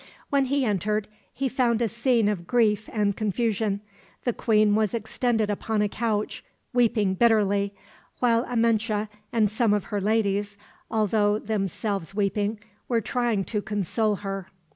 When he entered, he found a scene of grief and confusion. The queen was extended upon a couch, weeping bitterly; while Amenche and some of her ladies, although themselves weeping, were trying to console her.